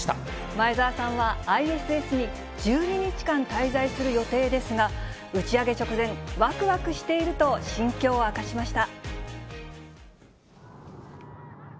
前澤さんはＩＳＳに１２日間滞在する予定ですが、打ち上げ直前、わくわくしていると、心境を明かしました。